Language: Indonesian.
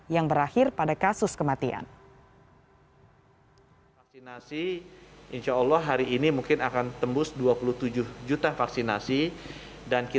yang berakhir pada kasus kematian